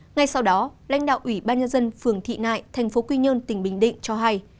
ngay sau đó lãnh đạo ủy ban nhân dân phường thị nại thành phố quy nhơn tỉnh bình định cho hay